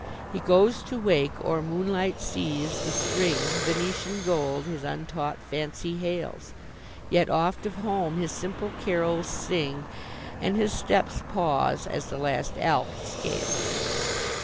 He goes to wake o'er moonlight seas the string, Venetian gold his untaught fancy hails! Yet oft of home his simple carols sing, And his steps pause, as the last Alp he scales.